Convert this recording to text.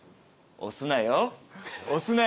押すなよ？」